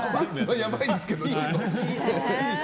やばいですけど、ちょっと。